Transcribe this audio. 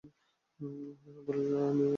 হরিহর বলিল, আঃ, নিয়ে গিয়ে যা বিরক্ত!